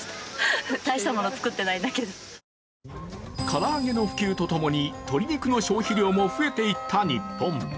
唐揚げの普及とともに鶏肉の消費量も増えていった日本。